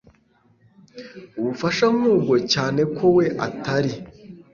ubufasha nk ubwo cyane ko we Atari